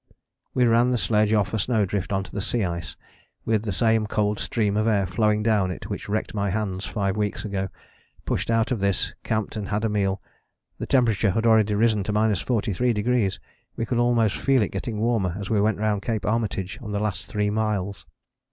We ran the sledge off a snow drift on to the sea ice, with the same cold stream of air flowing down it which wrecked my hands five weeks ago: pushed out of this, camped and had a meal: the temperature had already risen to 43°. We could almost feel it getting warmer as we went round Cape Armitage on the last three miles.